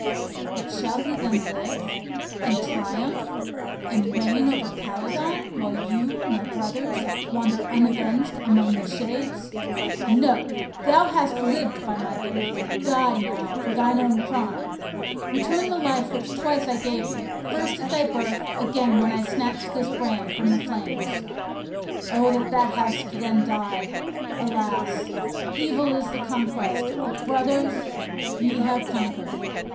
But shall he then live, and triumph, and reign over Calydon, while you, my brothers, wander unavenged among the shades? No! thou hast lived by my gift; die, now, for thine own crime. Return the life which twice I gave thee, first at thy birth, again when I snatched this brand from the flames. O that thou hadst then died! Alas! evil is the conquest; but, brothers, ye have conquered."